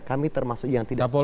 kami termasuk yang tidak boleh